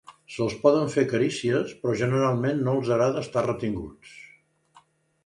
Se'ls poden fer carícies, però generalment no els agrada estar retinguts.